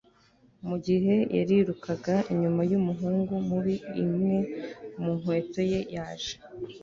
mu gihe yarirukaga inyuma y'umuhungu mubi, imwe mu nkweto ye yaje